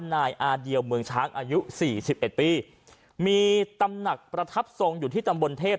นายอาเดียวเมืองช้างอายุสี่สิบเอ็ดปีมีตำหนักประทับทรงอยู่ที่ตำบลเทพ